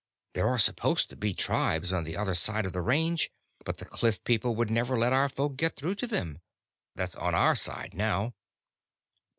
There are supposed to be tribes on the other side of the Range, but the cliff people would never let our folk get through to them. That's on our side now."